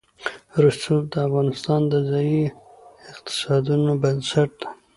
رسوب د افغانستان د ځایي اقتصادونو بنسټ دی.